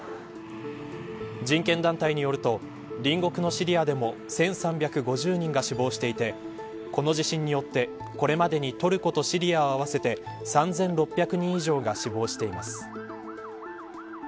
人権団体によると隣国のシリアでも１３５０人が死亡していてこの地震によってこれまでにトルコとシリアを合わせて３６００人以上が死亡しています。